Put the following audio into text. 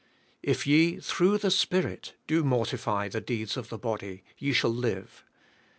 "If ye through the Spirit do mortify the deeds of the body ye shall live."